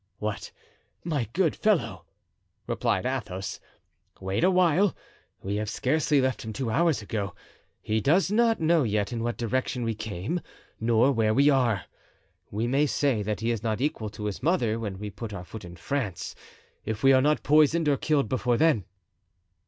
"What, my good fellow!" replied Athos, "wait awhile; we have scarcely left him two hours ago—he does not know yet in what direction we came nor where we are. We may say that he is not equal to his mother when we put foot in France, if we are not poisoned or killed before then."